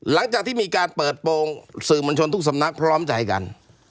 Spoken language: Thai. หลังจากที่มีการเปิดโปรงสื่อมวลชนทุกสำนักพร้อมใจกัน